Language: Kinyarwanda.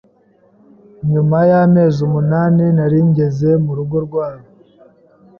nyuma y’amezi umunani nari ngeze mu rugo rwabo